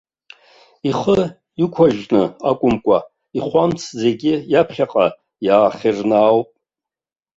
Ихы икәажьны акәымкәа, ихәамц зегьы иаԥхьаҟа иаахьырнаауп.